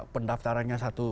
pendaftarannya sudah selesai